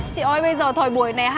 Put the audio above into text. chị ơi bây giờ thời buổi này